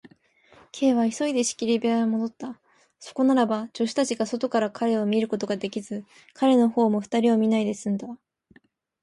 Ｋ は急いで仕切り部屋へもどった。そこならば、助手たちが外から彼を見ることができず、彼のほうも二人を見ないですんだ。